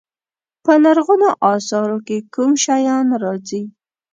په لرغونو اثارو کې کوم شیان راځي.